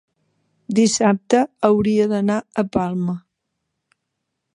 Dissabte hauria d'anar a Palma.